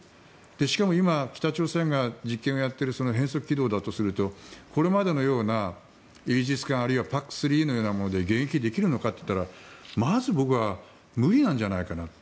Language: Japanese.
しかも今、北朝鮮が実験をやっている変則軌道だとするとこれまでのようなイージス艦あるいはＰＡＣ３のようなもので迎撃できるのかといったらまず僕は無理ではないかと。